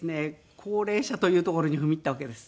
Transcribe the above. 高齢者というところに踏み入ったわけです。